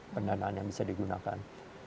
pendanaan yang bisa digunakan